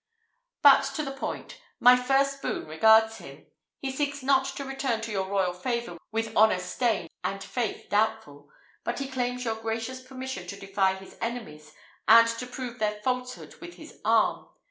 But to the point. My first boon regards him. He seeks not to return to your royal favour with honour stained and faith doubtful, but he claims your gracious permission to defy his enemies, and to prove their falsehood with his arm.